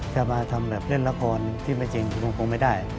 จะมาทำแบบเล่นละครที่ไม่จริงคงไม่ได้